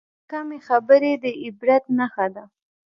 کمې خبرې، د عبرت نښه ده.